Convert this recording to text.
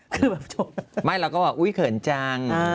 ขอแอบทางหุ่นไปใหม่